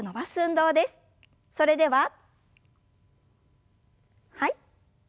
それでははい。